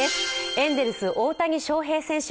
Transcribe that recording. エンゼルス・大谷翔平選手。